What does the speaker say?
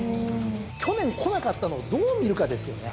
去年来なかったのをどう見るかですよね。